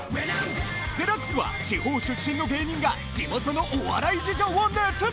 『ＤＸ』は地方出身の芸人が地元のお笑い事情を熱弁！